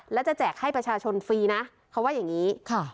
แล้วจะแจกให้ประชาชนฟรีนะเขาว่าอย่างนี้